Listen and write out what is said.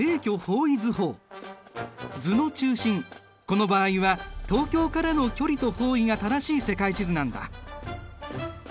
この場合は東京からの距離と方位が正しい世界地図なんだ。